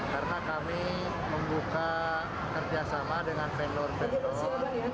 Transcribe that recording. karena kami membuka kerjasama dengan vendor vendor